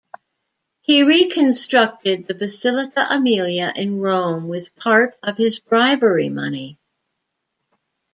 He reconstructed the Basilica Aemilia in Rome, with part of his bribery money.